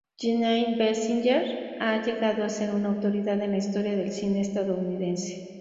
Jeanine Basinger ha llegado a ser una autoridad en la historia del cine estadounidense.